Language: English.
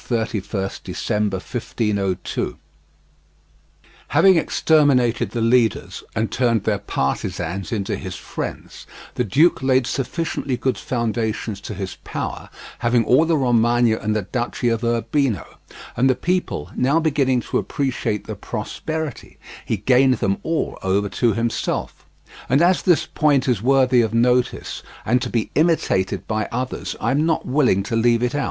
Having exterminated the leaders, and turned their partisans into his friends, the duke laid sufficiently good foundations to his power, having all the Romagna and the Duchy of Urbino; and the people now beginning to appreciate their prosperity, he gained them all over to himself. And as this point is worthy of notice, and to be imitated by others, I am not willing to leave it out.